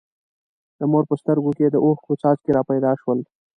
د مور په سترګو کې د اوښکو څاڅکي را پیدا شول.